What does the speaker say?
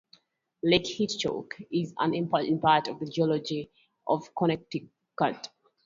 Lake Hitchcock is an important part of the geology of Connecticut.